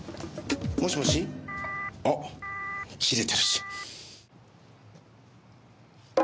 もしもし？あっ切れてるし。